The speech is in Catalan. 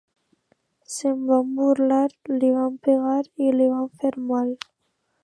Se'n van burlar, li van pegar i li van fer mal.